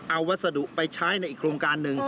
เอาวัสดุไปใช้ในอีกโครงการหนึ่ง